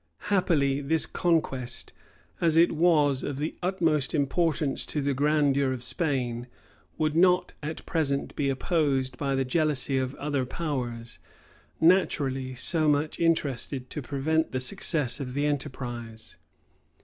Happily, this conquest, as it was of the utmost importance to the grandeur of Spain, would not at present be opposed by the jealousy of other powers, naturally so much interested to prevent the success of the enterprise.